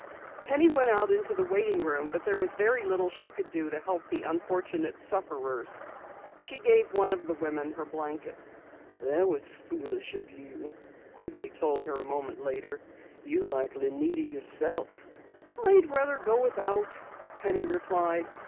Penny went out into the waiting room but there was very little she could do to help the unfortunate sufferers. She gave one of the women her blanket. "That was foolish of you," Quigley told her a moment later. "You'll likely need it yourself." "I'd rather go without," Penny replied.